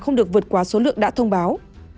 không được vượt qua số lượng đã thông báo